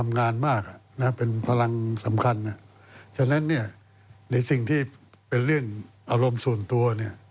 ในสิ่งส่วนตัว